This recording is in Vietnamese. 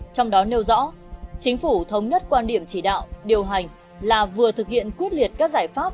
trong đó nêu rõ chính phủ thống nhất quan điểm chỉ đạo điều hành là vừa thực hiện quyết liệt các giải pháp